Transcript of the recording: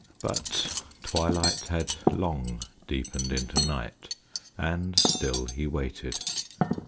But twilight had long deepened into night, and still he waited.